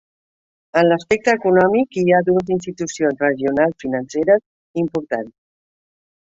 En l'aspecte econòmic hi ha dues institucions regionals financeres importants.